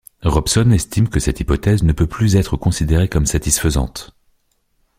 Robson estime que cette hypothèse ne peut plus être considérée comme satisfaisante.